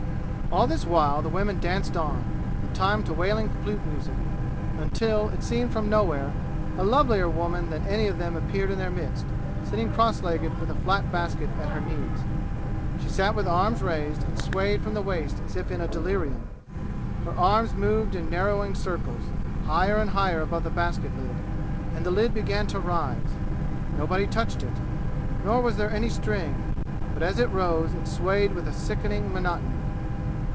All this while the women danced on, in time to wailing flute music, until, it seemed from nowhere, a lovelier woman than any of them appeared in their midst, sitting cross legged with a flat basket at her knees. She sat with arms raised and swayed from the waist as if in a delirium. Her arms moved in narrowing circles, higher and higher above the basket lid, and the lid began to rise. Nobody touched it, nor was there any string, but as it rose it swayed with sickening monotony.